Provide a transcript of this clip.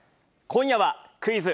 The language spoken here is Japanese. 今夜は、クイズ！